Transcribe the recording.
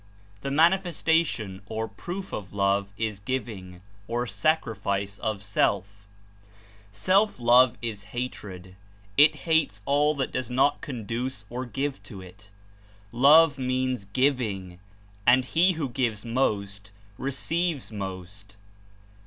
The manifestation or proof of love is giving, or sacrifice of self. Self love is hatred; it hates all that does not conduce or give to it. Love means giving, and he who gives most receives most.